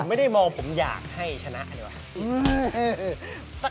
ไม่ได้มองผมอยากให้ชนะดีกว่า